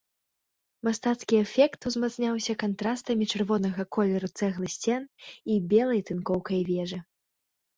Мастацкі эфект узмацняўся кантрастамі чырвонага колеру цэглы сцен і белай тынкоўкай вежы.